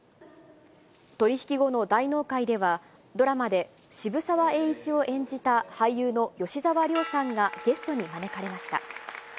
取り引き後の大納会では、ドラマで渋沢栄一を演じた俳優の吉沢亮さんがゲストに招かれました。